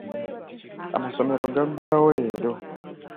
Amasomero gaggulawo leero.